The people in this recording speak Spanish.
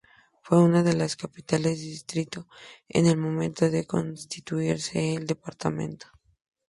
Fue una de las capitales distrito en el momento de constituirse el departamento.